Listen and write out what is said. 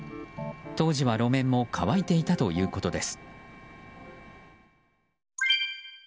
当時は路面も乾いていたということです。